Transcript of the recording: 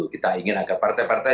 kita ingin agar partai partai